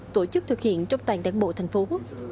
tổ chức thực hiện trong toàn đảng bộ thành phố